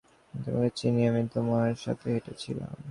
আমি তোমাকে চিনি আমি তোমার সাথে হেঁটেছিলাম।